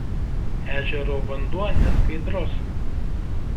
Ežero vanduo neskaidrus.